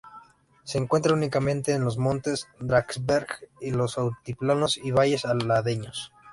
Se encuentra únicamente en los montes Drakensberg y los altiplanos y valles aledaños.